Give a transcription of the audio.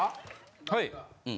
はい。